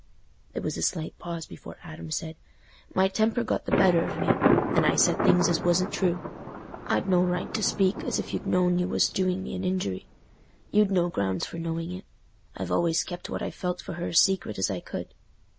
There was a slight pause before Adam said, "My temper got the better of me, and I said things as wasn't true. I'd no right to speak as if you'd known you was doing me an injury: you'd no grounds for knowing it; I've always kept what I felt for her as secret as I could."